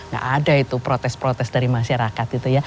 gak ada itu protes protes dari masyarakat gitu ya